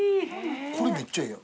これめっちゃええやん。